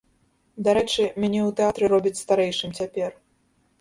Дарэчы, мяне ў тэатры робяць старэйшым цяпер.